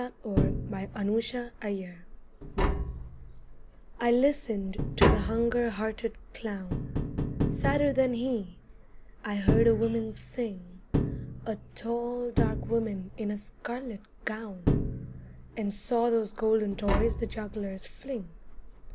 PAVLOVNA IN LONDON I listened to the hunger hearted clown, Sadder than he: I heard a woman sing, A tall dark woman in a scarlet gown And saw those golden toys the jugglers fling.